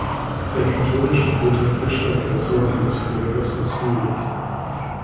Der katholische Peter Fischer war der Sohn eines Verlegers aus Jülich.